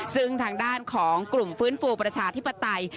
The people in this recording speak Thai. ซึ่งทางด้านของกลุ่มฟื้นฟูประชาธิปไตย